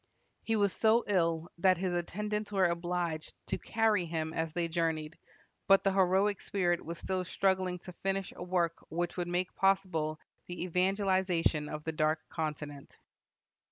He was so ill that his attendants were obliged to carry him as they journeyed, but the heroic spirit was still struggling to finish a work which would make possible the evangelization of the Dark Continent.